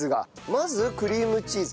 まずクリームチーズ。